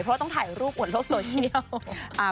เพราะต้องถ่ายรูปอวดโรคโซเชียล